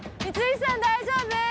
光石さん大丈夫？